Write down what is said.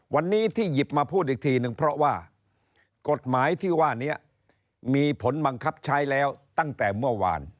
วันนี้ที่หยิบมาพูดอีกทีนึงเพราะว่ากฎหมายที่ว่านี้มีผลบังคับใช้แล้วตั้งแต่เมื่อวาน